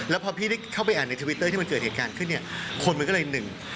แล้วพอพี่ได้เข้าไปอ่านในทวิตเตอร์ที่มันเกิดเหตุการณ์ขึ้นเนี่ยคนมันก็เลยหนึ่ง